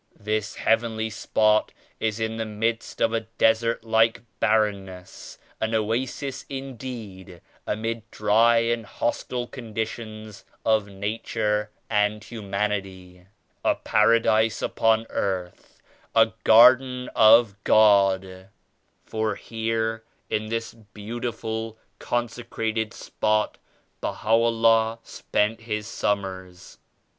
This heavenly spot is in the midst of a desert like barrenness; an oasis indeed amid dry and hostile conditions of nature and humanity; — a Paradise upon earth ; a garden 68 of God ;— for here in this beautiful consecrated spot Baha'u'llah spent His summers.